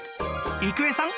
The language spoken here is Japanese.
郁恵さん